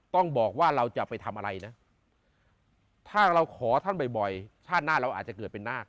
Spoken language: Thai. ต้องบอกว่าเราจะไปทำอะไรนะถ้าเราขอท่านบ่อยชาติหน้าเราอาจจะเกิดเป็นนาค